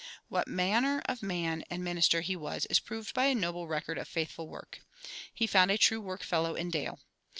What manner of man and minister he was is proved by a noble record of faithful work. He found a true workfellow in Dale.